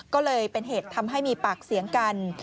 ก็เลยเป็นเหตุทำให้มีปากเสียงกัน